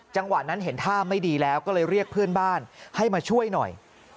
จังหวะนั้นเห็นท่าไม่ดีแล้วก็เลยเรียกเพื่อนบ้านให้มาช่วยหน่อย